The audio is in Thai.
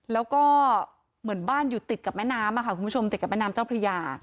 แล้วก็เหมือนบ้านอยู่ตรีกกับแม่น้ำตรีกกับแม่น้ำเจ้าพระยา